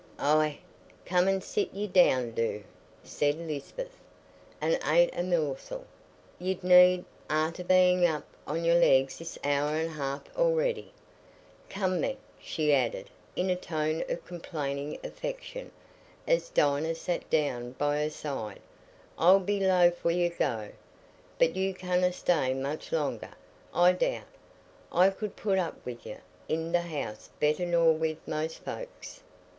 "Aye, come an' sit ye down—do," said Lisbeth, "an' ate a morsel; ye'd need, arter bein' upo' your legs this hour an' half a'ready. Come, then," she added, in a tone of complaining affection, as Dinah sat down by her side, "I'll be loath for ye t' go, but ye canna stay much longer, I doubt. I could put up wi' ye i' th' house better nor wi' most folks."